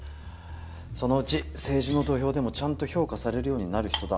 そのうち政治の土俵でもちゃんと評価されるようになる人だ。